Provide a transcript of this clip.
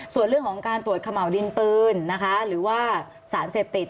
ส่วนเรื่องของการตรวจเขม่าวดินปืนนะคะหรือว่าสารเสพติด